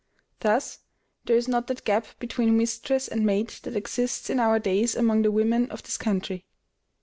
Thus there is not that gap between mistress and maid that exists in our days among the women of this country.